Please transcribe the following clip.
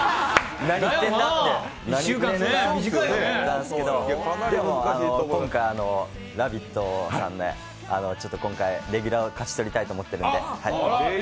何言ってんだ？って思ったんですけど、でも、今回、「ラヴィット！」さんでレギュラーを勝ち取りたいと思ってるんで。